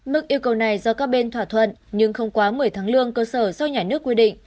mức yêu cầu này do các bên thỏa thuận nhưng không quá một mươi tháng lương cơ sở do nhà nước quy định